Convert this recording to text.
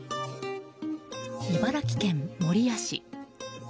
茨城県守谷市。